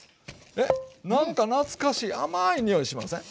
なんか懐かしい甘いにおいしません？